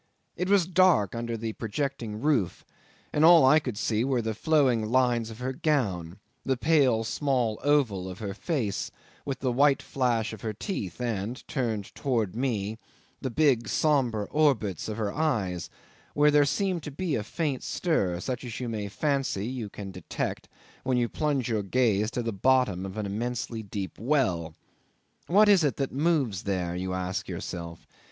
It was dark under the projecting roof, and all I could see were the flowing lines of her gown, the pale small oval of her face, with the white flash of her teeth, and, turned towards me, the big sombre orbits of her eyes, where there seemed to be a faint stir, such as you may fancy you can detect when you plunge your gaze to the bottom of an immensely deep well. What is it that moves there? you ask yourself.